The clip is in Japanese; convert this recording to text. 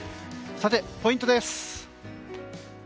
さて、ポイントです。